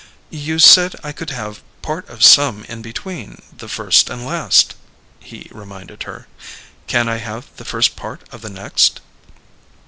"You said I could have part of some in between the first and last," he reminded her. "Can I have the first part of the next?"